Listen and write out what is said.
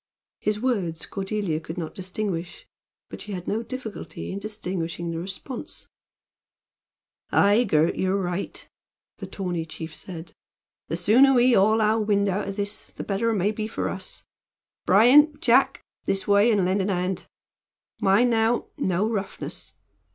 His words Cordelia could not distinguish, but she had no difficulty in distinguishing the response. "Aye, Gurt, you're right," the tawny chief said. "The sooner we haul our wind out o' this the better it may be for us. Bryan! Jack! This way, and lend a hand. Mind now, no roughness!